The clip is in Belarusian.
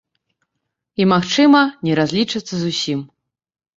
І, магчыма, не разлічацца зусім.